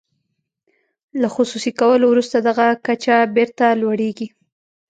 له خصوصي کولو وروسته دغه کچه بیرته لوړیږي.